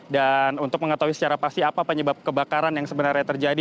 dan untuk mengetahui secara pasti apa penyebab kebakaran yang sebenarnya terjadi